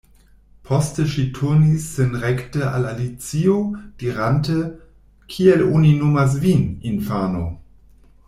Poste ŝi turnis sin rekte al Alicio, dirante: "Kiel oni nomas vin, infano?"